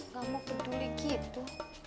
gak mau peduli gitu